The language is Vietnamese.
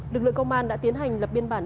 lực lượng công an đã tiến hành lập biên bản